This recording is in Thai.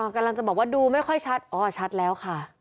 กำลังจะบอกว่าดูไม่ค่อยชัดอ๋อชัดแล้วค่ะ